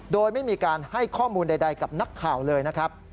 โดยไม่มีการให้ข้อมูลใดกับนักข่าวเลยนะครับ